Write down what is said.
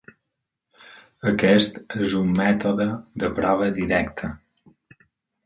Aquest és un mètode de prova directa.